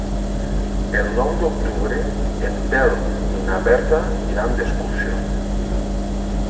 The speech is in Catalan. El nou d'octubre en Telm i na Berta iran d'excursió.